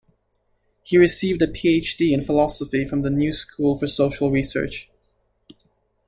He received a PhD in Philosophy from The New School for Social Research.